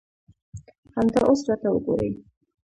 همدا اوس راته وګورئ.